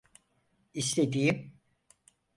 İstediğim…